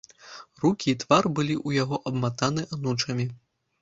Рукі і твар былі ў яго абматаны анучамі.